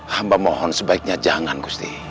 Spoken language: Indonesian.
hamba mohon sebaiknya jangan gusti